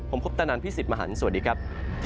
ผมคุปตะนันพี่สิทธิ์มหันฯสวัสดีครับ